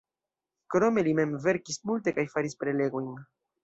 Krome li mem verkis multe kaj faris prelegojn.